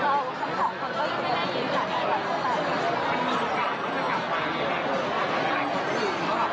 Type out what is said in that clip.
แล้วแต่ก่อนทำงานก็มันแย่กว่ามันเกี่ยวกัน